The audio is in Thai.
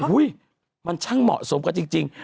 มันช่างเหมาะสมกันจริง